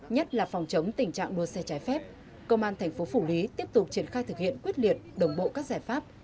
nhất là phòng chống tình trạng đua xe trái phép công an thành phố phủ lý tiếp tục triển khai thực hiện quyết liệt đồng bộ các giải pháp